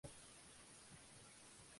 Padre de cuatro hijos.